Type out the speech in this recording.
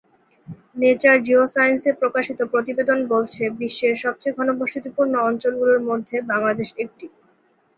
Nature জিওসায়েন্স-এ প্রকাশিত প্রতিবেদন বলছে, বিশ্বের সবচেয়ে ঘনবসতিপূর্ণ অঞ্চলগুলোর মধ্যে বাংলাদেশ একটি।